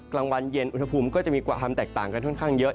กลางวันเย็นอุณหภูมิก็จะมีความแตกต่างกันค่อนข้างเยอะ